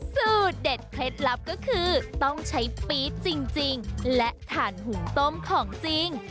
สูตรเด็ดเคล็ดลับก็คือต้องใช้ปี๊ดจริงและถ่านหุงต้มของจริง